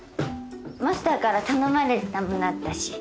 マスターから頼まれてたものあったし。